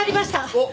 おっ！